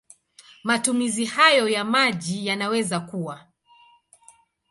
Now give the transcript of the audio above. Matumizi hayo ya maji yanaweza kuwa